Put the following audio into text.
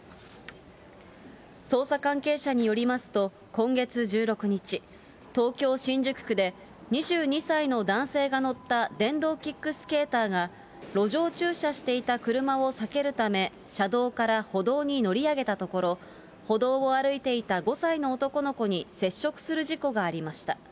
捜査関係者によりますと、今月１６日、東京・新宿区で２２歳の男性が乗った電動キックスケーターが、路上駐車していた車を避けるため、車道から歩道に乗り上げたところ、歩道を歩いていた５歳の男の子に接触する事故がありました。